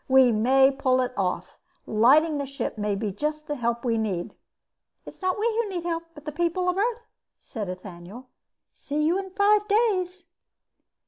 We may pull it off. Lighting the ship may be just the help we need." "It's not we who need help, but the people of Earth," said Ethaniel. "See you in five days."